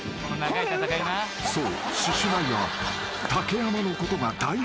［そう］